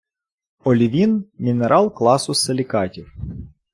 Олівін – мінерал класу силікатів.